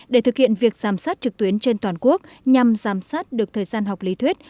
để thực hiện việc giám sát trực tuyến trên toàn quốc nhằm giám sát được thời gian học lý thuyết